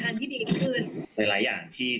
ทำให้เราเตรียมไปในทางที่ดีขึ้น